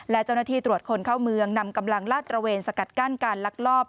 และเจ้าหน้าที่ตรวจคนเข้าเมืองนำกำลังลาดตระเวนสกัดกั้นการลักลอบ